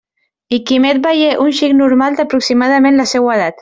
I Quimet veié un xic normal d'aproximadament la seua edat.